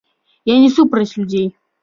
Я не супраць людзей.